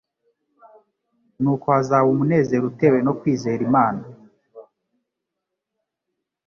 Nuko hazaba umunezero utewe no kwizera Imana.